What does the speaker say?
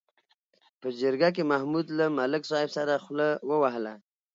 په جرګه کې محمود له ملک صاحب سره خوله ووهله.